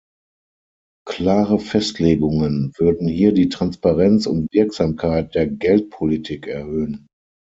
Klare Festlegungen würden hier die Transparenz und Wirksamkeit der Geldpolitik erhöhen.